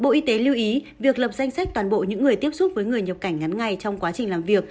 bộ y tế lưu ý việc lập danh sách toàn bộ những người tiếp xúc với người nhập cảnh ngắn ngày trong quá trình làm việc